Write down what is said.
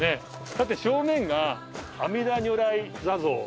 だって正面が阿弥陀如来座像。